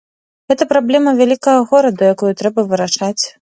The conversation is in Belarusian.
Гэта праблема вялікага горада, якую трэба вырашаць.